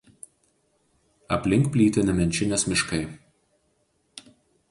Aplink plyti Nemenčinės miškai.